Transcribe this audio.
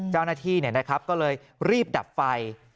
เจ้าหน้าที่เนี่ยนะครับก็เลยรีบดับไฟ